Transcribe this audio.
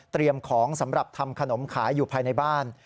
ของสำหรับทำขนมขายอยู่ภายในบ้าน